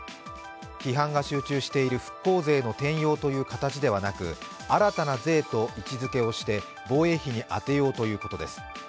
批判が集中している復興税の転用という形ではなく新たな税と位置づけをして防衛費に充てようということです。